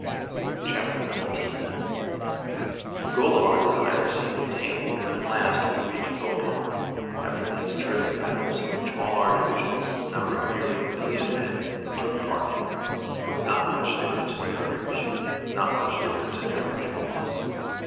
XIX The goal of our desire seemed attained when at last we reached Bapaume after these terrific battles in which all our divisions, numbering nearly a million men, took part, with not much difference in courage, not much difference in average of loss.